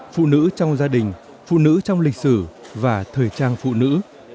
phụ nữ trong gia đình phụ nữ trong lịch sử và thời trang phụ nữ